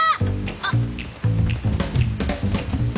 あっ！